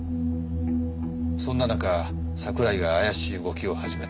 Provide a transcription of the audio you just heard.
そんな中桜井が怪しい動きを始めた。